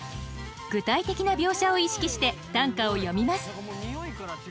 具体的な描写を意識して短歌を詠みます